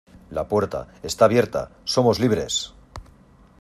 La puerta. ¡ está abierta! ¡ somos libres !